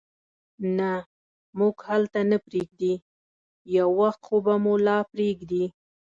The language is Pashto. نه، موږ هلته نه پرېږدي، یو وخت خو به مو لا پرېږدي.